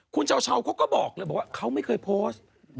คุณเช้าเขาก็บอกเลยบอกว่าเขาไม่เคยโพสต์